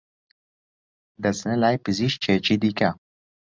دەچنە لای پزیشکێکی دیکە